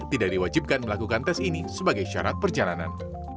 tidak diwajibkan melakukan tes ini sebagai syarat perjalanan